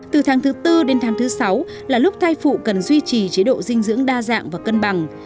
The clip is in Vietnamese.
từ tháng thứ tư đến tháng thứ sáu là lúc thai phụ cần duy trì chế độ dinh dưỡng đa dạng và cân bằng